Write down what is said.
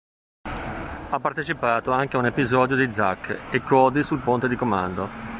Ha partecipato anche ad un episodio di Zack e Cody sul ponte di comando.